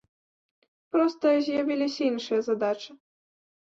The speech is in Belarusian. Проста з'явіліся іншыя задачы.